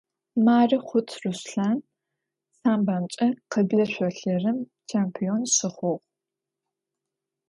Мары Хъут Руслъан самбомкӀэ къыблэ шъолъырым чемпион щыхъугъ.